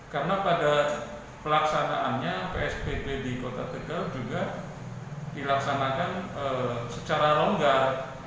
karena pada pelaksanaannya psbb di kota tegal juga dilaksanakan secara longgar